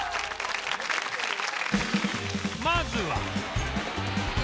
まずは